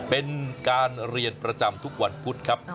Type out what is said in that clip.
เป็นการเรียนประจำทุกวันพุธครับ